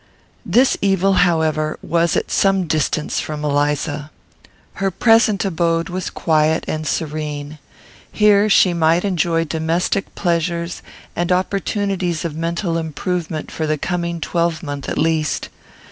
This evil, however, was at some distance from Eliza. Her present abode was quiet and serene. Here she might enjoy domestic pleasures and opportunities of mental improvement for the coming twelvemonth at least.